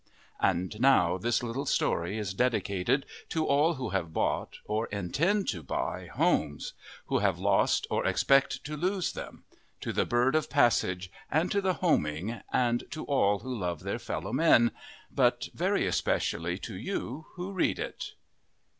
And now this little story is dedicated to all who have bought or intend to buy homes, who have lost or expect to lose them; to the bird of passage and to the homing, and to all who love their fellowmen but very especially to you who read it.